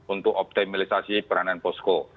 untuk optimalisasi peranan posko